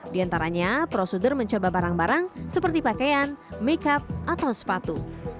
di antaranya prosedur mencoba barang barang seperti pakaian make up atau sepatu